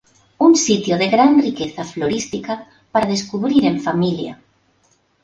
Un sitio de gran riqueza florística para descubrir en familia.